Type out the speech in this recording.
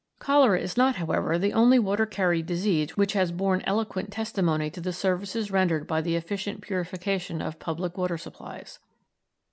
Cholera is not, however, the only water carried disease which has borne eloquent testimony to the services rendered by the efficient purification of public water supplies.